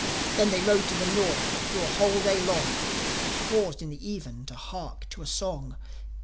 Then they rode to the North thro' a whole day long, And paused in the even to hark to a song.